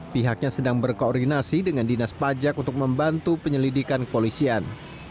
pihaknya sedang berkoordinasi dengan dinas pajak untuk membantu penyelidikan kepolisian